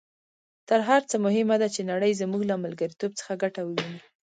تر هر څه مهمه ده چې نړۍ زموږ له ملګرتوب څخه ګټه وویني.